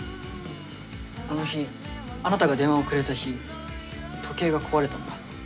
あの日あなたが電話をくれた日時計が壊れたんだ。